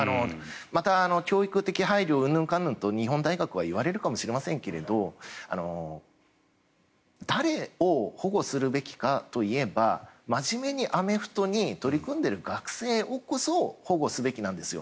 また教育的配慮うんぬんかんぬんと日本大学は言われるかもしれませんが誰を保護するべきかといえば真面目にアメフトに取り組んでいる学生をこそ保護すべきなんですよ。